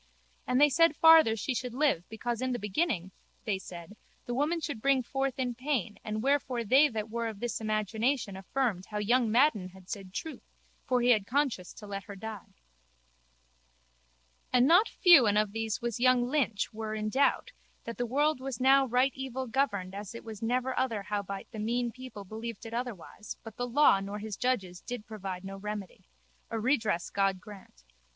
And they said farther she should live because in the beginning, they said, the woman should bring forth in pain and wherefore they that were of this imagination affirmed how young Madden had said truth for he had conscience to let her die. And not few and of these was young Lynch were in doubt that the world was now right evil governed as it was never other howbeit the mean people believed it otherwise but the law nor his judges did provide no remedy. A redress God grant.